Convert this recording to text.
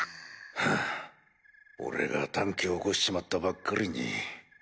フゥ俺が短気を起こしちまったばっかりに。